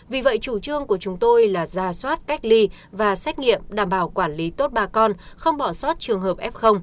vì vậy chủ trương của chúng tôi là ra soát cách ly và xét nghiệm đảm bảo quản lý tốt bà con không bỏ sót trường hợp f